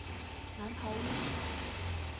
蓝袍巫师。